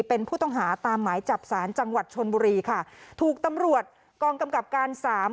เป็นผู้ต้องหาตามหมายจับสารจังหวัดชนบุรีค่ะถูกตำรวจกองกำกับการสาม